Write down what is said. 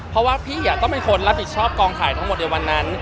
เพราะว่าพี่ต้องเป็นคนรับผิดชอบกองถ่ายทั้งหมดในวันนั้น